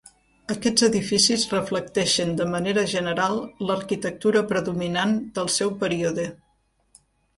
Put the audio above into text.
Aquests edificis reflecteixen de manera general l'arquitectura predominant del seu període.